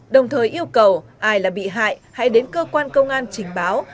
đồng thời yêu cầu ai là bị hại hãy đến cơ quan công an trình báo